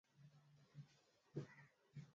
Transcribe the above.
Bwana mkubwa, tumefanya kazi hata tusipate kitu.